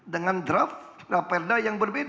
dengan draft raperda yang berbeda